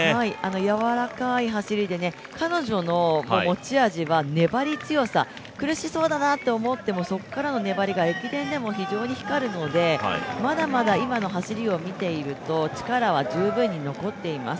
やわらかい走りで彼女の持ち味は粘り強さ、苦しそうだなと思ってもそこからの粘りが駅伝でも非常に光るので、まだまだ今の走りを見ていると力は十分に残っています。